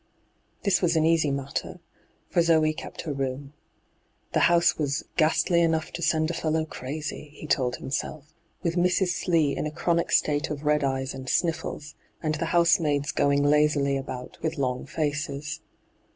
This was an easy matter, for Zoe kept her room. The house was 'ghastly enough to send a fellow crazy,' he told himself, with Mrs. Slee in a chronic state of red eyes and sniffles, and the housemaids going lazily about with long faces.